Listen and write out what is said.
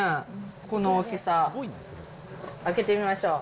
この大きさ。開けてみましょう。